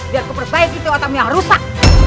biar kuperbaiki jodoh otakmu yang rusak